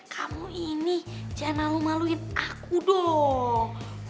kamu ini jangan malu maluin aku dong